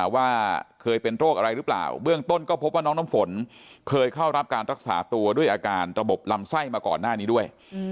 ว่าเคยเป็นโรคอะไรหรือเปล่าเบื้องต้นก็พบว่าน้องน้ำฝนเคยเข้ารับการรักษาตัวด้วยอาการระบบลำไส้มาก่อนหน้านี้ด้วย